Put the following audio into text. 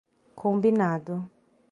Combinado